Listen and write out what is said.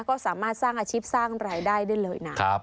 ก็สามารถสร้างอาชีพสร้างรายได้ได้เลยนะ